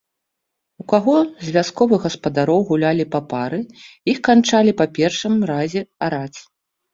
У каго з вясковых гаспадароў гулялі папары, іх канчалі па першым разе араць.